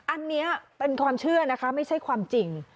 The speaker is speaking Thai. อันนี้เป็นความเชื่อนะคะไม่ใช่ความจริง